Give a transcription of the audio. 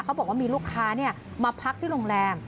เขาบอกว่ามีลูกค้ามาพักที่โรงแรม